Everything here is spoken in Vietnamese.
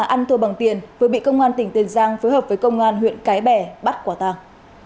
ăn thua bằng tiền vừa bị công an tỉnh tiền giang phối hợp với công an huyện cái bè bắt quả tàng